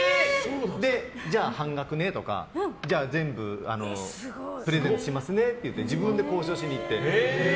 じゃあ半額ねとかじゃあ全部プレゼントしますねって自分で交渉しに行って。